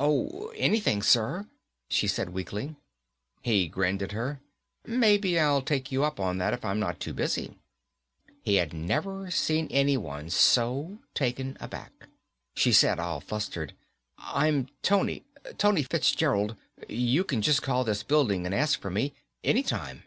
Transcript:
"Oh, anything, sir," she said weakly. He grinned at her. "Maybe I'll take you up on that if I'm not too busy." He had never seen anyone so taken aback. She said, all flustered, "I'm Toni. Toni Fitzgerald. You can just call this building and ask for me. Any time."